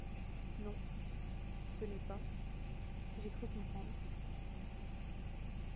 Non… ce n’est pas… j’ai cru comprendre…